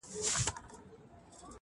• د مرګي د کوهي لاره مو اخیستې -